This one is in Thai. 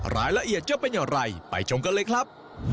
รายละเอียดจะเป็นอย่างไรไปชมกันเลยครับ